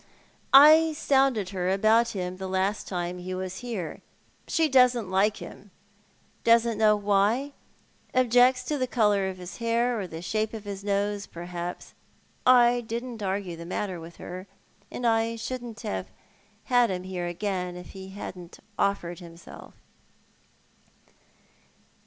I sounded her about him the last time he was here. She doesn't like him; doesn't know why ; objects to the colour of his hair or the shape of his nose, perhaps. I didn't argue the matter with her, and I shouldn't have had him here again if he hadn't offered himself.